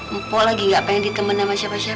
empo lagi gak pengen ditemen sama siapa siapa